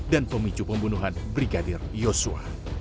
dan pemicu pembunuhan brigadir yosua